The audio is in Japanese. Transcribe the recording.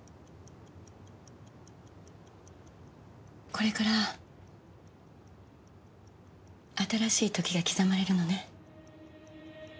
これから新しい時が刻まれるのね。